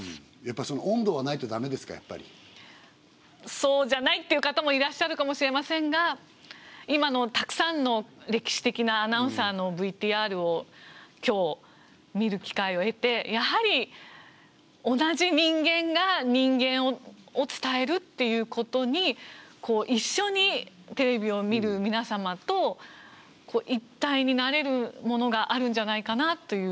そうじゃないっていう方もいらっしゃるかもしれませんが今のたくさんの歴史的なアナウンサーのＶＴＲを今日見る機会を得てやはり同じ人間が人間を伝えるっていうことに一緒にテレビを見る皆様と一体になれるものがあるんじゃないかなという希望も込めて。